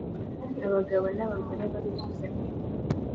abagabo n’abagore baruzuzanya.